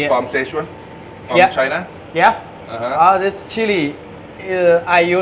ผมใช้แบบชิลลี่ไทย